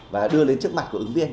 và đưa lên trước mặt của ứng viên